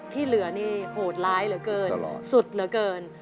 ที่เหลือนี่โหดร้ายเหลือเกินสุดเหลือเกิน